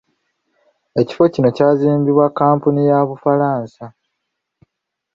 Ekifo kino kyazimbibwa kkampuni ya Bufalansa.